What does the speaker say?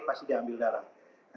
pasti diambil darah